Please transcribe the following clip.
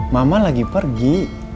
mama lagi pergi